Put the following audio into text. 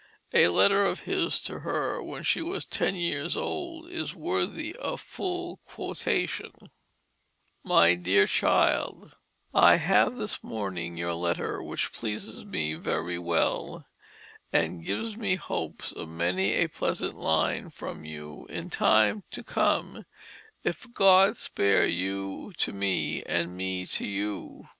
A letter of his to her, when she was ten years old, is worthy of full quotation: "MY DEAR CHILD: "I have this morning your Letter which pleases me very well and gives me hopes of many a pleasant line from you in Time to come if God spare you to me and me to you.